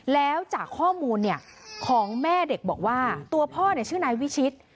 แล้วจากข้อมูลของแม่เด็กบอกว่าตัวพ่อชื่อนายวิชิต